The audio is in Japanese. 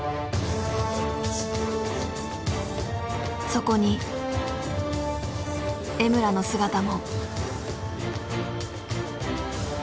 そこに江村の姿も。